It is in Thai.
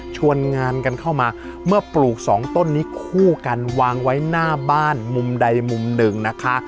ชวนงานกันเข้ามาเมื่อปลูกสองต้นนี้คู่กันวางไว้หน้าบ้านมุมใดมุมหนึ่งนะคะ